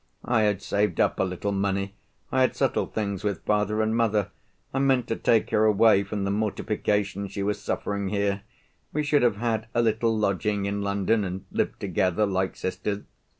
I had saved up a little money. I had settled things with father and mother. I meant to take her away from the mortification she was suffering here. We should have had a little lodging in London, and lived together like sisters.